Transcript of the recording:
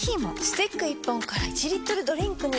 スティック１本から１リットルドリンクに！